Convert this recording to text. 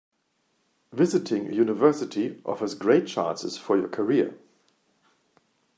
Visiting a university offers great chances for your career.